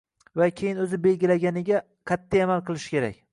va keyin o‘zi belgilaganiga qat’iy amal qilishi kerak.